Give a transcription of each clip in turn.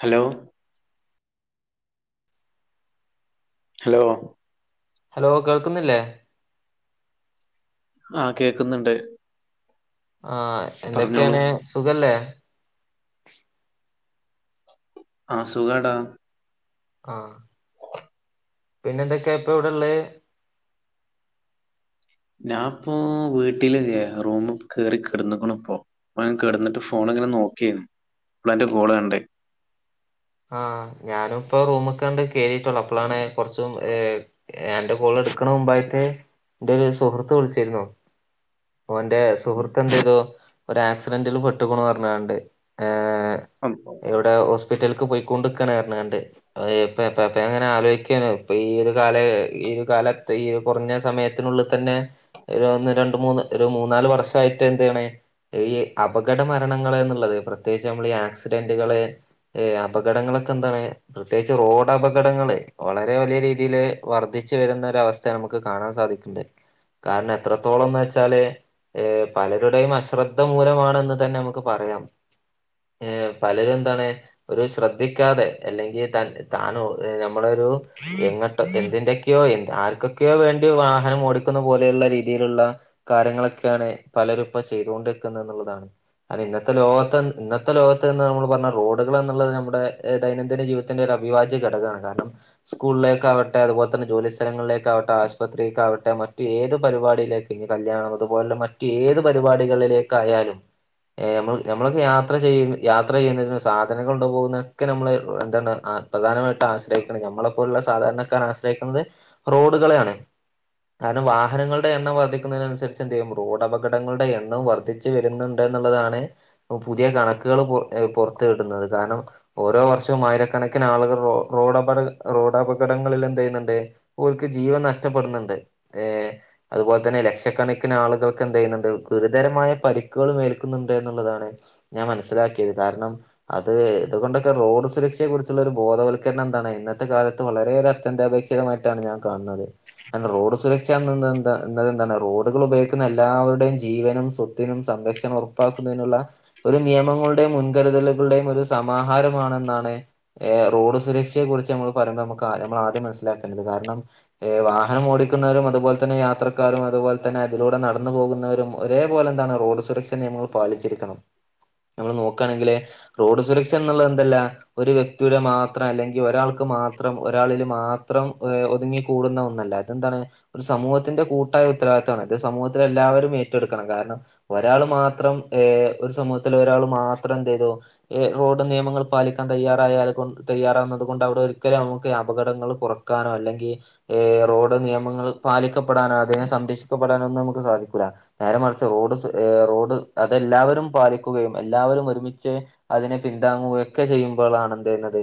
Hello hello hello കേൾക്കുന്നില്ലേ ആഹ കേക്കുന്നുണ്ട് ആഹ പറഞ്ഞോളൂ എന്തൊക്കെയാണ് സുഖല്ലേ ആ സുഖാടാ ആഹ [unintelligible] പിന്നെന്തൊക്കെയാ ഇപ്പൊ എവിടെള്ളെ ഞാൻ ഇപ്പോ വീട്ടില് ല്ലേ റൂമ് കേറി കിടന്നുക്ക്ണ് ഇപ്പോ പ്പ കിടന്നിട്ട് ഫോണ് ഇപ്പങ്ങനെ നോക്ക്യോ അപ്പളാ അന്റെ കോള് കണ്ടേ ആ ഞാനും ഇപ്പോ റൂമ് ക്കാണ്ട് കേറിട്ടൊള്ളൂ അപ്പളാണ് കൊറച്ച് മു ഏ അന്റെ കോള് കെട്ക്ക്ണേ മുമ്പായിട്ടെ എന്റെ ഒരു സുഹൃത്ത് വിളിച്ചിരുന്നു ഓന്റെ ഉം. സുഹൃത്ത് എന്തയ്തു ഒരു ആക്സിഡന്റിൽ പെട്ടുക്കൂണു പറഞ്ഞാണ്ട് ഏ അപ്പോ ഏ എവിടെ ഓസ് സ്പറ്റിലേക്ക് പോയിക്കൊണ്ട്ക്കാണ് പറഞ്ഞാണ്ട് അഹ് പ പ്പെ പ്പെ അങ്ങനെ ആലോചിക്കോനി ഇപ്പ ഈ ഒരു കാല ഈ കാലത്ത് ഈ കൊറഞ്ഞ സമയത്തിനുള്ളിൽ തന്നെ ഒന്ന് രണ്ട് മൂന്ന് ഒരു മൂന്നാല് വർഷായിട്ട് എന്തേണ് ഈ അപകട മരണങ്ങൾ എന്നുള്ളത് പ്രത്യേകിച്ച് നമ്മള് ഈ ആക്സിഡന്റുകള് അപകടങ്ങള് ഇതൊക്കെ എന്താണ് പ്രത്യേകിച്ച് റോഡപകടങ്ങള് വളരെ വലിയ രീതിയില് വർദ്ധിച്ചു വരുന്ന അവസ്ഥയാണ് നമുക്ക് കാണാൻ സാധിക്ക്ണ്ട് കാരണം എത്രത്തോളം ന്നച്ചാ ച്ചാല് പലരുടെയും അശ്രദ്ധ മൂലമാണെന്ന് തന്നെ നമുക്ക് പറയാം ഏ പലരും എന്താണ് ഒരു ശ്രദ്ധിക്കാതെ അല്ലെങ്കിൽ തൻ താനോ ഏ നമ്മളൊരു എങ്ങട്ടാ എന്തിന്റെ ക്ക്യോ ഏ ആർക്കൊക്കെയോ വേണ്ടി വാഹനം ഓടക്കുന്ന പോലെയുള്ള രീതിയിലുള്ള കാര്യങ്ങളൊക്കെണ് പലരും ഇപ്പ ചെയ്തോണ്ട്ക്ക്ണ് ന്നുള്ളതാണ് അതെ ഇന്നത്തെ ലോകത്ത് ഇന്നത്തെ ലോകത്ത് നമ്മള് പറഞ്ഞ റോഡുകൾ എന്നുള്ളത് നമ്മുടെദൈനദിന ജീവിതത്തിന്റെ അഭിവാജ്യ ഘടക്കാണ് കാരണം സ്കൂളിലേക്കാവട്ടെ അതുപോലെ തന്നെ ജോലി സ്ഥലങ്ങളിലേക്കാവട്ടെ ആശുപത്രിക്കാവട്ടെ മറ്റ് ഏത് പരിപാടിയിലേക്ക് ഇ കല്യാണം അതുപോലെ മറ്റ് ഏത് പരിപാടികളിലേക്കായാലും ഏ നമ്മള് നമ്മളൊക്കെ യാത്ര ചെയ്യ് യാത്ര ചെയ്യുന്നതിന് സാധനങ്ങൾ കൊണ്ട് പോകുന്ന ക്കെ നമ്മള് എന്താണ് ആ പ്രധാനമായിട്ട് ആശ്രയിക്ക്ണ നമ്മളെ പോലുള്ള സാധാരണക്കാര് ആശ്രയിക്കുന്നത് റോഡുകളെയാണ് കാരണം വാഹനങ്ങളുടെ എണ്ണം വർധിക്ക ക്കുന്നതിനനുസരിച്ച് എന്തെയ്യും റോഡ്പകടങ്ങളുടെ എണ്ണം വർദ്ധിച്ചു വരുന്നുണ്ട് എന്നുള്ളതാണ് പുതിയ കണക്ക് പൊർ ഏ പൊർത്ത് വിടുന്നത് കാരണം ഓരോ വർഷവും ആയിരക്കണക്കിന് ആളുകൾ റോ റോഡപകടങ്ങ റോഡപകടങ്ങളിൽ എന്തയ്യ്ന്ണ്ട് ഓൽക്ക് ജീവൻ നഷ്ടപ്പെടുന്നുണ്ട് ഏ അതുപോലെ തന്നെല്ലേ ലക്ഷക്കണക്കിന് ആളുകൾക്ക് എന്തെയ്യ്ന്ണ്ട് ഗുരുതരമായ പരിക്കുകൾ ഏൽക്കുന്നുണ്ട് എന്നുള്ളതാണ് ഞാൻ മനസ്സ് ഇതാക്കിയത് കാരണം അത് ഇതുകൊണ്ടൊക്കെ റോഡ് സുരക്ഷയെ കുറിച്ചുള്ള ഒരു ബോധവൽക്കരണം എന്താണ് ഇന്നത്തെ കാലത്ത് ത്ത് വളരെ ഒര് അത്യന്താപേക്ഷിതമായിട്ടാണ് ഞാൻ കാണുന്നത് കാരണം റോഡ് സുരക്ഷ എന്ന് എന്താ അത് എന്താണ് റോഡുകൾ ഉപയോഗിക്കുന്ന എല്ലാവരുടെയും ജീവനും സ്വത്തിനും സംരക്ഷണം ഉറപ്പാക്കുന്നതിനുള്ള ഒരു നിയമ ങ്ങളുടെയും മുൻകരുതലുകളുടെ ഒരു സമാഹാരമാണെന്നാണ് ഏഹ് റോഡ് സുരക്ഷയെ കുറിച്ച് നമ്മള് പറ നമ്മക്ക് ആ നമ്മൾ ആദ്യം മനസിലാക്കേണ്ടത്ത് കാരണം ഏഹ് വാഹനം ഓടിക്കുന്നവരും അതുപോലെ തന്നെ യാത്രക്കാരും അതുപോ തന്നെ അതിലൂടെ നടന്നു പോകുന്നവരും ഒരേപോലെ എന്താണ് റോഡ് സുരക്ഷ നിയമങ്ങള് പാലിച്ചിരിക്കണം നമ്മള് നോക്കാണെങ്കില് റോഡ് സുരക്ഷ എന്നുള്ളത് എന്തല്ല ഒരു വ്യക്തിയുടെ മാത്രം അല്ലെങ്കിൽ ഒരാൾക്ക് മാത്രം ഒരാളിൽ മാത്രം ഏഹ് ഒതുങ്ങിക്കൂടുന്ന ഒന്നല്ല അതെന്താണ് ഒരു സമൂഹത്തിന്റെ കൂട്ടായ ഉത്തരവാ ത്വണ് അത് സമൂഹത്തില് എല്ലാവരും ഏറ്റെടുക്കണം കാരണം ഒരാൾ മാത്രം ഏഹ് ഒരു സമൂഹത്തില് ഒരാൾ മാ മാത്രം എന്തയ്യ്തു ഏഹ് റോഡ് നിയമങ്ങൾ പാലിക്കാൻ തയ്യാറായാൽ തയ്യാറാകുന്നത് കൊണ്ട് അവിടെ ഒരിക്കലും നമു ക്ക് അപകടങ്ങൾ കുറക്കാനോ അല്ലെങ്കിൽ ഏഹ് റോഡ് നിയമങ്ങൾ പാലിക്കപ്പെടാനോ അതിനെ സംരക്ഷി ക്കപ്പെടാനൊന്നും നമുക്ക് സാധിക്കൂല നേരെ മറിച്ച് റോഡ് സു ഏഹ് റോഡ് അതെല്ലാവരും പാലിക്കുകയും എല്ലാ വരും ഒരുമിച്ച് അതിനെ പിന്താങ്ങുകയൊക്കെ ചെയ്യുമ്പളാണ് എന്തേയ്യുന്നത്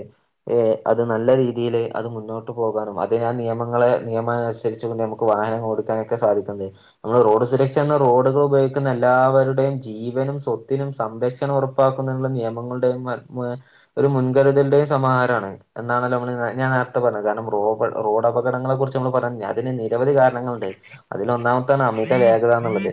ഏഹ് അത് നല്ല രീതി യില് അത് മുന്നോട്ട് പോകാനും അതിന് ആ നിയമങ്ങളെ നിയമം അനുസരിച്ച് പിന്നെ നമുക്ക് വാഹനം ഓടിക്കാനൊക്കെ സാധി അതെ നമ്മള് റോഡ് സുരക്ഷേന്ന റോഡുകൾ ഉപയോഗിക്കുന്ന എല്ലാവരുടെയും ജീവനും സ്വത്തിനും സംരക്ഷ ഉറപ്പാക്കുമെന്ന് നിയമങ്ങളുടെയും ആത്മ ഒരു മുൻകരുതൽന്റെയും സമാഹാരാണ് എന്നാണല്ലോ നമ്മള് ഞാൻ നേരത്തെ പറഞ്ഞത് കാരണം റോബ റോഡ് അപകടങ്ങളെ കുറിച്ച് നമ്മള് പറഞ്ഞ അതിന് നീ നിരവധി കാരണങ്ങൾ ഇണ്ട് അതിലൊന്നാമത്താണ് അമിത വേഗത എന്നുള്ളത്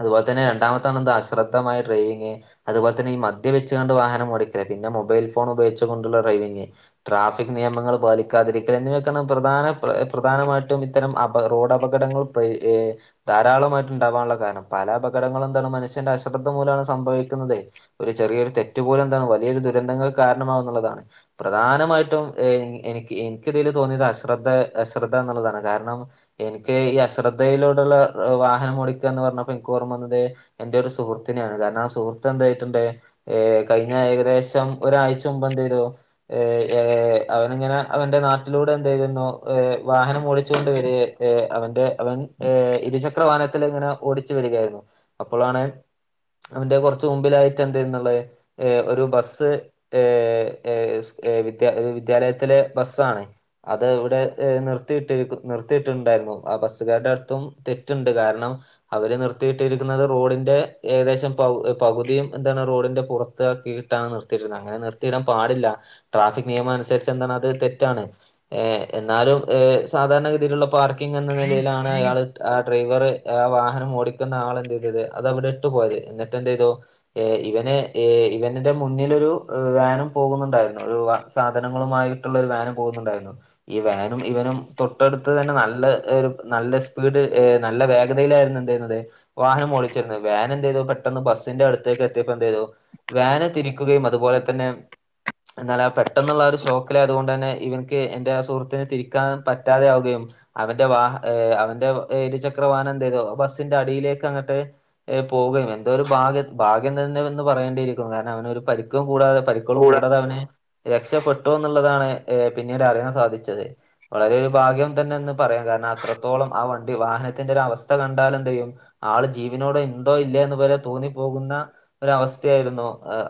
അതുപോലെ തന്നെ രണ്ടാമത്താണ് എന്താ അശ്രദ്ധമായ ഡ്രൈവിങ് അതുപോലെ തന്നെ ഈ മദ്യപിച്ചു കൊണ്ട് വാഹനം ഓടിക്കല് പിന്നെ മൊബൈൽ ഫോൺ ഉപയോഗിച്ചുകൊണ്ടുള്ള ഡ്രൈവിംഗ് ട്രാഫിക് നിയമങ്ങള് പാലിക്കാതിരിക്കല് എന്നിവയൊക്കെയാണ് പ്രധാന പ്ര പ്ര പ്രധാനമായിട്ടും ഇത്തരം അപ റോഡപ പകടങ്ങളും പേ ഏഹ് ധാരാളമായിട്ട് ഉണ്ടാവാനുള്ള കാരണം പല അപകടങ്ങളും എന്താണ് മനുഷ്യന്റെ അശ്രദ്ധ മൂലാണ് സം സംഭവിക്കുന്നതെ ഒരു ചെറിയൊരു തെറ്റ് പോലും എന്താന്ന് വലിയൊരു ദുരന്തങ്ങൾക്ക് കാരണമാവുന്നുള്ളതാണ് പ്രധാനമ മായിട്ടും എനി എനിക്ക് എനിക്കിതില് തോന്നിയത് അശ്രെദ്ധ അശ്രദ്ധന്നുള്ളതാണ് കാരണം എനി ക്ക് ഈ അശ്രദ്ധയിലോടെയുള്ള വാഹനം ഓടിക്കുക എന്ന് പറഞ്ഞപ്പോ എനിക്ക് ഓർമ്മ വന്നത് എന്റെ ഒരു സുഹൃത്തിനെയാണ് ക രണം ആ സുഹൃത്ത് എന്തായിട്ടുണ്ട് ഏഹ് കഴിഞ്ഞ ഏകദേശം ഒരാഴ്ച്ച മുമ്പ് എന്തേയ്തു ഏഹ് ഏഹ് അവൻ ഇങ്ങനെ അവന്റെ നാട്ടിലൂടെ എന്തേയ്തന്നോ വാഹനം ഓടിച്ചു കൊണ്ട് വരിക ഏഹ് അവന്റെ അവൻ ഇരുചക്ര വാഹനത്തിൽ ഇങ്ങനെ ഓടിച്ചു വരികയായിരുന്നു അപ്പോളാണ് അവന്റെ കൊറച്ച് മുമ്പിലായിട്ട് എന്തായ്ന്നുള്ളത് ഏഹ് ഒരു ബസ് ഏഹ് ഏഹ് വിദ്യ വിദ്യാലയത്തിലെ ബസ് ആണേ അത് ഇവിടെ നിർത്തിട്ടിരിക്കു നിർത്തി യിട്ടുണ്ടായിരുന്നു ആ ബസ്സുകാരുടെ അടുത്തും തെറ്റുണ്ട് കാരണം അവര് നിർത്തിയിട്ടിരിക്കുന്നത് റോഡിന്റെ ഏകദേശം പകു പകുതിയും എന്താണ് റോഡിൻ്റെ പുറത്താക്കിയിട്ടാണ് നിർത്തിയിട്ടരുന്നത് അങ്ങനെ നിർത്തിയിടാൻ പാടില്ല ട്രാഫിക് നിയമം അനുസരിച്ച് എന്താണ് അത് തെറ്റാണ് ഏഹ് എന്നാലും ഈഹ് സാധാരണ ഗതിയിലുള്ള പാർക്കിംഗ് എന്ന നിലയിലാണ് അയാള് ആ ഡ്രൈ വറ് ആ വാഹനം ഓടിക്കുന്ന ആള് എന്ത്യ്തത് അത് അവിടെ ഇട്ടു പോയത് എന്നിട്ട് എന്ത് ചെയ്തു ഇവനെ ഏഹ് ഇവന്റെ മുന്നിലൊരു വാനും പോകുന്നുണ്ടായിരുന്നു ഒരു സാധനങ്ങളുമായിട്ടുള്ള ഒരു വാനും പോ കുന്നുണ്ടായിരുന്നു ഈ വാനും ഇവനും തൊട്ട് അടുത്ത് തന്നെ ന ല്ല ഒരു നല്ല സ്പീഡ് ഏഹ് നല്ല വേഗതയിലായിരുന്നു എന്തേയ്യുന്നത് വാഹനം ഓടിച്ചിരുന്നത് വാ ഇവൻ എന്തേയ്യ്തു പെട്ടന്ന് ബസ്സിന്റെ അടുത്തേക്ക് എത്തിയപ്പോ എന്തേയ്യ്തു വാന് തിരിക്കുകയും അതുപോലെ തന്നെ എന്നാൽ ആ പെട്ടെന്നുള്ള ഒരു ഷോക്കിലായതുകൊണ്ടുതന്നെ ഇവന്ക്ക് എന്റെ ആ സുഹൃത്തിന് തിരിക്കാൻ പറ്റാതെയാവുകയും അവന്റെ വാ അവന്റെ ഇരുചക്ര വാഹനം എന്തേയ്തു ബസ്സിന്റെ അടിയിലേക്ക് അങ്ങട്ട് പോ [unintelligible] എന്തോ ഒരു ഭാഗ്യ ഭാഗ്യം തന്നെ എന്ന് പറയേണ്ടിയിരിക്കുന്നു കാരണം അവന് ഒരു പരിക്കും കൂടാതെ പരിക്കുകളും കൂടെ കൂടാതെ അവനെ രക്ഷപ്പെട്ടു എന്നുള്ളതാണ് പിന്നീട് അറിയാൻ സാധിച്ചത് വളരെ ഒരു ഭാഗ്യം തന്നെന്ന് പറയാം കാരണം അത്രത്തോളം ആ വണ്ടി വാഹനത്തിന്റെ ഒരു അവസ്ഥ കണ്ടാല് എന്ത് ചെയ്യും ആള് ജീവനോട് ഉണ്ടോ ഇല്ലേ എന്നുവരെ തോന്നിപ്പോകുന്ന ഒരു അവസ്ഥയായിരുന്നു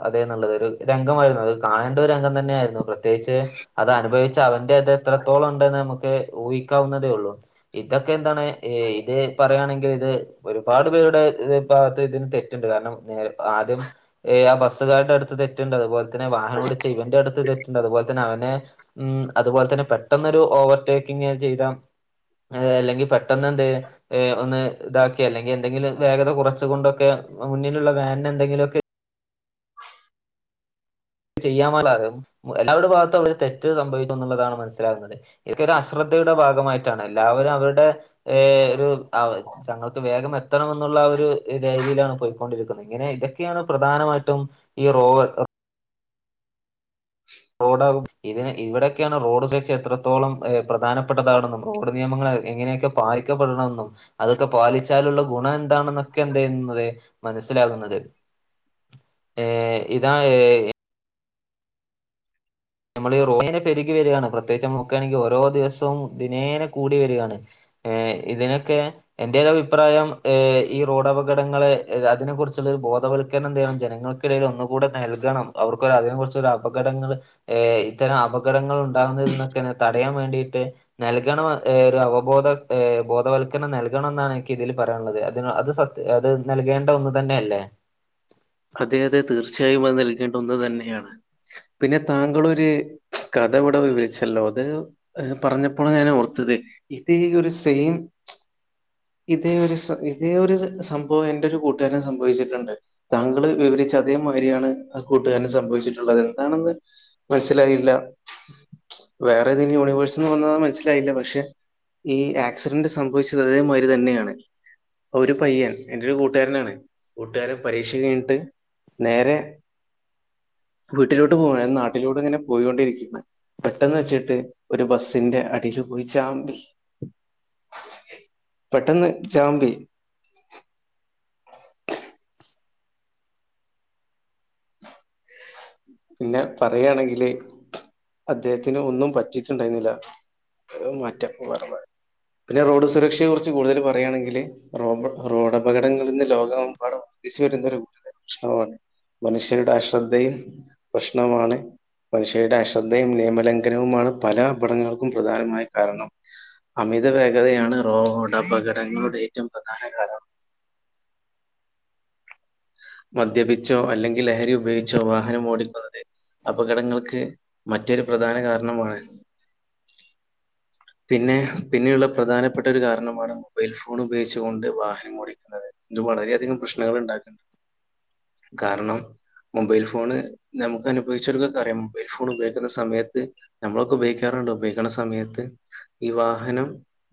അതേ എന്നുള്ളത് ഒരു രംഗമായിരുന്നു അത് കാണേണ്ട രംഗം തന്നെയായിരുന്നു പ്രത്യേകിച്ച് അത് അനുഭവിച്ച് അവന്റെ അത് എത്രത്തോളം ഉണ്ടെന്ന് നമുക്ക് ഊഹി ക്കാവുന്നതേ ഉള്ളൂ ഇതൊക്കെ എന്താണ് ഇത് പറയുവാണെങ്കിൽ ഇത് ഒരു പാട് പേരുടെ ഇത് ഭാഗത്ത് ഇതിന് തെറ്റുണ്ട് കാരണം ഏഹ് ആദ്യം ഏഹ് ആ ബസ്സുകാരുടെ അടുത്ത് തെറ്റുണ്ട് അതുപോ [unintelligible] വാഹനമോടിച്ച ഇവന്റെ അടു തെറ്റുണ്ട് അതുപോലെ തന്നെ അവനെ ഉം അതുപോലെ തന്നെ പെട്ടെന്നൊരു ഓവർടേക്കിങ്ങ് ചെയ്താ അല്ലെങ്കിൽ പെട്ടെന്ന് എന്തേ ഒന്ന് ഇതാ ക്കി അല്ലെങ്കിൽ എന്തെങ്കിലും വേഗത കുറച്ചു കൊണ്ടൊക്കെ മുന്നിലുള്ള വാനിനു എന്തെങ്കിലുമൊക്കെ ചെയ്യാമൊള്ളതായിരുന്നു എല്ലാവരുടെ ഭാഗത്തും അവര് തെറ്റ് സംഭവിക്കും എന്നുള്ളതാണ് മനസ്സിലാകുന്നത് ഇതൊക്കെ ഒരു അശ്രദ്ധ യുടെ ടെ ഭാഗമായിട്ടാണ് എല്ലാവരും അവരുടെ ഒരു തങ്ങൾക്കും വേഗം എത്തണെമെ ന്നുള്ള ആ ഒരു രീതിയിലാണ് പോയ്ക്കൊണ്ടിരിക്കുന്നത് ഇങ്ങനെ ഇതൊക്കെയാണ് പ്രധാനമായിട്ടും ഈ റോഡ് റോഡാകും ഇതിന് ഇവിടെയൊക്കെയാണ് റോഡ് ശിക്ഷ എത്രത്തോളം പ്രധാനപ്പെട്ടതാണെന്നും റോഡ് നിയമങ്ങൾ എങ്ങനെയൊക്കെ പാലിക്കപ്പെെടണമെന്നും അതൊക്കെ പാലിച്ചാലുള്ള ഗുണം എന്താണെന്നൊക്കെ എന്ത് ചെയ്യുന്നത് മനസ്സിലാകുന്നത് ഏ ഇതാ ഏ നമ്മള് റോയിങ്ങനെ പെരുകിവരു കാണ് പ്രത്യേകിച്ച് തെരക്കാണെങ്കി ഓരോ ദിവസവും ദിനേന കൂടി വരികയാണ് ഇതിനൊക്കെ എന്റെ ഒരു അഭിപ്രായം ഏ ഈ റോഡ് അപകടങ്ങളെ അതിനെ കുറിച്ചുള്ള ഒരു ബോധവൽക്കരണം എന്ത് ചെയ്യണം ജനങ്ങൾക്കിടയിൽ ഒന്നു കൂടെ നിൽക്കണം അവർക്ക് അതിനെകുറിച്ച് ഒരു അപകടങ്ങള് ഇത്തരം അപകടങ്ങൾ ഉ ഉണ്ടാവുന്നതിന്നോക്കെ ഒന്ന് തടയാൻ വേണ്ടി ട്ട് നൽകണം ഒരു അവബോധ ബോധവൽക്കരണം നൽകണം എന്നാണ് എനിക്ക് ഇതിൽ പറയാനുള്ളത് അത് അത് സത്യ അത് നൽകേണ്ട ഒന്ന്‌ തന്നെയല്ലേ അതെ അതെ തീർച്ചയായും അത് നൽകേണ്ട ഒന്ന് തന്നെയാണ് പിന്നെ താങ്കളൊരു കഥ ഇവിടെ വിവരിച്ചല്ലോ അത് പറഞ്ഞപ്പോളാണ് ഞാൻ ഓർത്തത് ഇതേ ഒരു സെയിം ഇതേ ഒരു ഇതേ ഒരു സംഭവം എന്റെ ഒരു കൂട്ടുകാരൻ സംഭവിച്ചിട്ടുണ്ട് താങ്കള് വിവരിച്ച അതേമാതിരിയാണ് ആ കൂട്ടുകാരന് സംഭവിച്ചിട്ടുള്ളത് എന്താണെന്ന് മനസ്സിലായില്ല വേറെ ഇത്നി യൂണിവേഴ്സിന്ന് വന്ന മനസ്സിലായില്ല പക്ഷെ ഈ ആക്സിഡന്റ് സംഭവിച്ചത് അതേമാതിരി തന്നെയാണ് ഒരു പയ്യൻ എന്റെരു കൂട്ടുകാരനാണ് കൂട്ടുകാരൻ പരീ പരീക്ഷ കഴിഞ്ഞിട്ട് നേരെ വീട്ടിലോട്ട് പോ നാട്ടിലോട്ടും ഇങ്ങനെ പോയിൊണ്ടിരിക്കാണ് പെട്ടെന്ന് വെച്ചിട്ട് ഒരു ബസ്സിന്റെ അടിൽ പോയി ചാബി പെട്ടെന്ന് ചാമ്പി പിന്നെ പറയയാണെങ്കില് അദ്ദേഹത്തിന് ഒന്നും പറ്റിട്ടുണ്ടായിരുന്നില്ല മാറ്റാ വേ പിന്നെ റോഡ് സുരക്ഷയെ കുുറിച്ച് കൂടുതൽ പറയുകയാണെങ്കില് റോ റോഡ്പകടങ്ങളിൽ നിന്ന് ലോകമെമ്പാട ച്ച വരുന്ന ഒരു ഗുരുത പ്രശ്നമാണ് മനുഷ്യരുടെ അശ്രദ്ധയും പ്രശ്നമാണ് മനുഷ്യടെ അശ്രദ്ധയും നിയമലംഘനവുമാണ് പല അപടങ്ങൾക്കും പ്രധാനമായ കാരണം അമിതവേഗതയാണ് റോഹോഡ അപകടങ്ങളുടെ ഏറ്റവും പ്രധാന കാരണം മദ്യപിച്ചോ അല്ലെങ്കിൽ ലഹരി ഉപയോഗിച്ചോ വാഹനം ഓടിക്കുന്നത് അപകടങ്ങൾക്ക് മറ്റൊരു പ്രധാന കാരണമാണ് പിന്നെ പിന്നെയുള്ള പ്രധാനപ്പെട്ട ഒരു കാരണമാണ് മൊബൈൽ ഫോൺ ഉപയോഗിച്ചുക കൊണ്ട് വാഹനം ഓടിക്കുന്നത് ഇത് വളരെയധികം പ്രശ്നങ്ങൾ ഉണ്ടാക്കണ്ട് കാരണം മൊബൈൽ ഫോണ് നമുക്ക് അനുഭവിച്ചർക്കെ അറിയാം മൊബൈൽ ഫോൺ ഉപയോഗിക്കുന്ന സമയത്ത് നമ്മളൊക്കെ ഉപയോഗിക്കാറ ഉപയോഗിക്കണ സമയത്ത് ഈ വാഹനം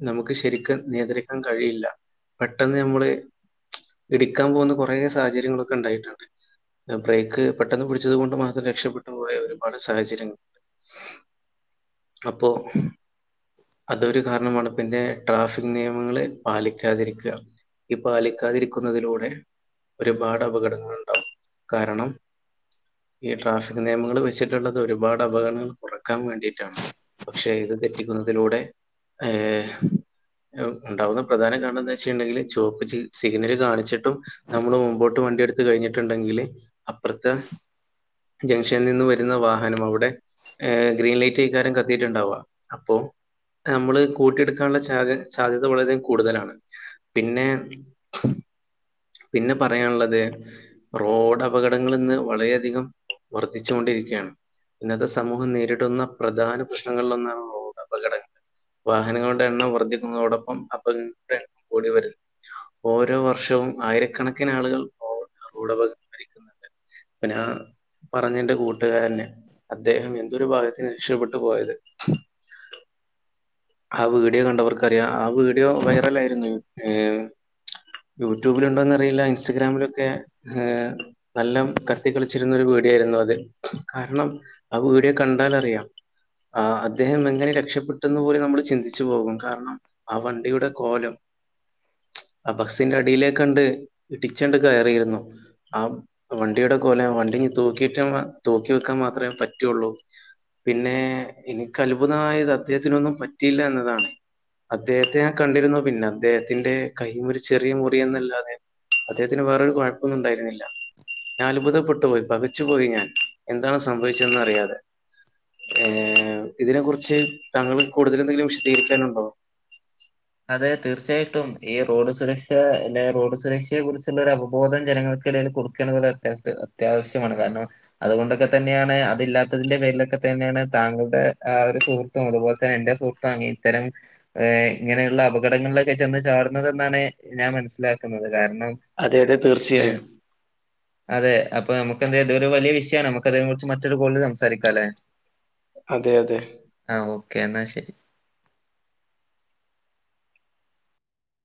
നമുക്ക് ശരിക്കും നിയന്ത്രിക്കാൻ കഴിയില്ല പെട്ടെന്ന് നഞമ്മള് ഇടുക്കാൻ പോകുന്ന കുറെേ സാഹചര്യങ്ങളൊക്കെ ഉണ്ടായിട്ടുണ്ട് ബ്രേക്ക് പെട്ടെന്ന് പിടിച്ചത് കൊണ്ട് മാത്രം രക്ഷപ്പെട്ടുപോയ ഒരുപാട് സാഹചര്യങ്ങളുണ്ട് അപ്പൊ അതൊരു കാരണമാണ് പിന്നെ ട്രാഫിക് നിയമങ്ങള് പാലിക്കാതിരിക്കുക ഈ പാലിക്കാതിരിക്കുന്നതിലൂടെ ഒരുപാട് അപകടങ്ങൾ ഉണ്ടാകും കാരണം ഈ ട്രാഫിക് നിയമങ്ങൾ വെച്ചിട്ടുള്ളത് ഒരുപാട് അപകടങ്ങൾ കുറക്കാൻ വേണ്ടിട്ടാണ് പക്ഷേ ഇത് ന്നതിലൂടെ ഏ ഉണ്ടാവുന്ന പ്രധാന കാരണണം എന്താ ന്ന് വെച്ചിട്ടുണ്ടെങ്കിൽ ചുവപ്പ് സിഗ്നൽ കാണിച്ചിട്ടും നമ്മള് മുമ്പോട്ട് വണ്ടിയ എടുത്ത് കഴിഞ്ഞിട്ടുണ്ടെങ്കിൽ- അപ്പുറത്ത് ജംഗ്ഷനിൽ നിന്ന് വരുന്ന വാഹനം അവിടെ ഗ്രീൻ ലൈറ്റ്- ക്കാരം കത്തിയിട്ടുണ്ടാവാ അപ്പൊ- നമ്മള് കൂട്ടിയെടുക്കാനുള്ള സാധ്യ സാധ്യത വളരെം കൂടുതലാണ് പിന്നെ- പിന്നെ പറയാനുള്ളത് റോഡ് അപകടങ്ങളൾ ഇന്ന് വളരെയധികം- വർദ്ധിച്ചു കൊണ്ടിരിക്കയാണ്- ഇന്നത്തെ സമൂഹം നേരിടുന്ന പ്രധാന പ്രശ്നങ്ങളിലൊന്നാണ് റോഡ് അപകടങ്ങൾ- വാഹനങ്ങളുടെ എണ്ണം വർദ്ധിക്കുന്നതോടൊപ്പം അപക എണ്ണം കൂടി വരുന്നു ഓരോ വർഷവും- ആയിരക്കണക്കിന് ആളുകൾ റോഡ്ക ഭരിക്കുന്നുണ്ട് പിന്നെ ആ- പറഞ്ഞ എന്റെ കൂട്ടുകാരനെ അദ്ദേഹം എന്തൊരു ഭാഗത്തിന് രക്ഷപട്ടു പോയത്- ആ വീടിയോ കണ്ടവർക്കറിയാം- ആ വീഡിയോ വൈറൽ ആയിരുന്നു യ യൂട്യൂബില് ഉണ്ടോന്ന് അറിയില്ല ഇൻസ്റ്റഗ്രാമിലൊക്കെ് നല്ല കത്തി കളിച്ചിരുന്നൊ ഒരു വീഡിയോ ആയിരുന്നു അത് കാരണം ആ വീഡിയോ കണ്ടാലറിയാം ആ അദ്ദേഹം എങ്ങനെ രക്ഷപ്പെട്ടെന്ന് പോലെ നമ്മൾ ചിന്തിച്ചു പോകും കാരണം ആ വണ്ടിയുടെ കോലം ആ ബസ്സിന്റെ അടിലെ - കണ്ട് ഇടിച്ചണ്ട് കയറിയിരുന്നു ആ വണ്ടിയുടെ കൊലം വണ്ടി തൂക്കിയിട്ടമാ - തൂക്കി വിക്കാൻ മാത്രയെ പറ്റിയുള്ളു പിന്നെ എനിക്ക് അത്ഭുതമായത് അദ്ദേഹത്തിനൊന്നും പറ്റിയില്ല എന്നതാണ് അദ്ദേഹത്തെ- കണ്ടിരുന്നു പിന്നെ അദ്ദേഹത്തിന്റെ കൈ ഒരു ചെറിയ മുറിയെന്നല്ലാതെ അദ്ദേഹത്തിന് വേറൊറു കൊഴപ - ഒന്നും ഉണ്ടായിരുന്നില്ല ഞാൻ അത്ഭുതപ്പെട്ടുപോയി പകച്ചുപോയി ഞാൻ എന്താണ് സംഭവിച്ചതെന്ന് അറിയാതെ ഏ ഇതിനെ കുറിച്ച് താങ്കൾക്ക് കൂടുതൽ എന്തെങ്കിലും വിശദീകരിക്കാനുണ്ടോ അതെ തീർച്ചയായിട്ടും ഈ റോഡ് സുരക്ഷ അല്ലെ റോഡ് സുരക്ഷയെ കുറിച്ചുള്ള ഒരു അവബോധം ജനങ്ങൾക്ക് - കൊടുക്കണത് ഒരു അത്യാവി- അത്യാവശ്യമാണ് കാരണം അതുകൊണ്ടൊക്കെ തന്നെയാണ് അത് ഇല്ലാത്തതിന്റെ പേരിലൊക്കെ- തന്നെയാണ് താങ്കളുടെ ഒരു സുഹൃത്തും അതുപോലെ തന്നെ എന്റെ സുഹൃത്തും അ ഇത്തരം ഇ ഇങ്ങനെയുള്ള അപകടങ്ങളിലൊക്കെ ചെന്ന് ചാടുന്നതെന്നാണ് ഞാൻ മനസ്സിലാക്കുന്നത് കാരണം- അതെ അതെ ആ തീർച്ചയായും. അതെ അപ്പൊ നമുക്ക് എന്ത്‌ ചെയ്യാം ഇത് ഒരു വലിയ വിഷയമാണ് നമുക്ക് അതിനെ കുറിച്ച് മറ്റൊരു കോളിലില് സംസാരിക്കാം അല്ലേ അതെ അതെ ഓക്കെ എന്നാ ശരി